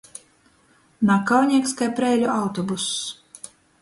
Nakauneigs kai Preiļu autobuss.